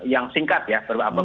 yang singkat ya berbeda